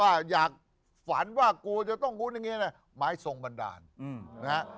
แล้วก็อยากฝันว่ากูจะต้องพูดอย่างนี้นะไม้ทรงบรรดาศักดิ์